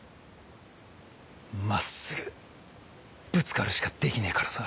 真っすぐぶつかるしかできねえからさ。